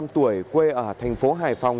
ba mươi năm tuổi quê ở thành phố hải phòng